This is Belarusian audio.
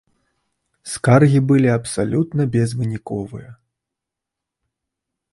Скаргі былі абсалютна безвыніковыя.